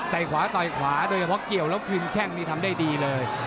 แต่ขวาต่อยขวาโดยเฉพาะเกี่ยวแล้วคืนแข้งนี่ทำได้ดีเลย